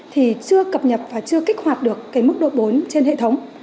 thì chưa cập nhật và chưa kích hoạt được mức độ bốn trên hệ thống